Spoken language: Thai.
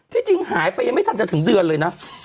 จริงหายไปยังไม่ทันจะถึงเดือนเลยนะ